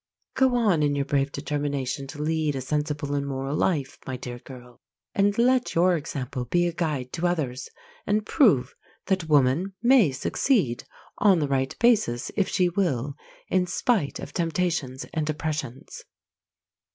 Go on in your brave determination to lead a sensible and moral life, my dear girl, and let your example be a guide to others, and prove that woman may succeed on the right basis if she will, in spite of temptations and oppressions.